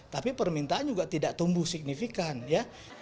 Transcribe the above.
tapi permintaan juga tidak tumbuh signifikan ya